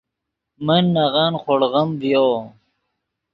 من نغن خوڑغیم ڤیو